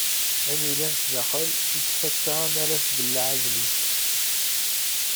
Ayen yellan sdaxel yettfaka mi ara tbelleɛ adlis.